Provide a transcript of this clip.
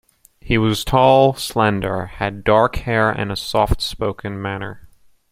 He was tall, slender, had dark hair and a soft-spoken manner.